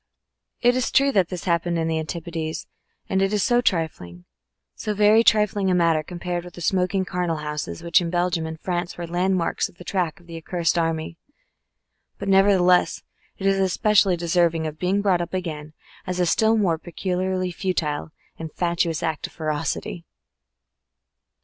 It is true this happened in the Antipodes, and it is so trifling, so very trifling a matter, compared with the smoking charnel houses which in Belgium and France were landmarks in the track of the accursed army. But nevertheless it is especially deserving of being brought up again as a still more peculiarly futile and fatuous act of ferocity.